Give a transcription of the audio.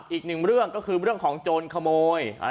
อีกหนึ่งเรื่องก็คือเรื่องของโจรขโมย